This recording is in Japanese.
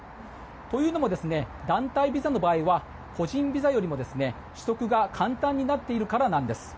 というのも、団体ビザの場合は個人ビザよりも取得が簡単になっているからです。